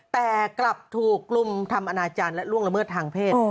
แต่กลับถูกกลุ่มทำอนาจารย์และล่วงละเมิดทางเพศ